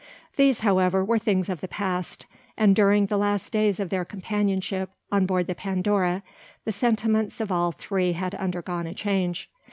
These, however, were things of the past; and during the last days of their companionship on board the Pandora the sentiments of all three had undergone a change.